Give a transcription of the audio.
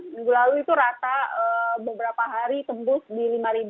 minggu lalu itu rata beberapa hari tembus di lima